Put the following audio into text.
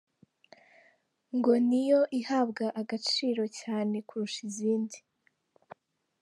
Ngo niyo ihabwa agaciro cyane kurusha izindi.